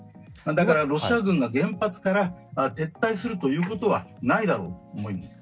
だから、ロシア軍が原発から撤退するということはないだろうと思います。